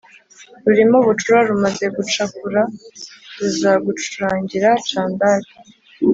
Rurimo bucura Rumaze gucakura Ruzagucurangira candari.